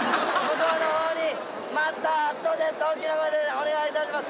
お願いいたします。